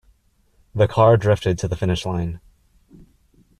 The car drifted to the finish line.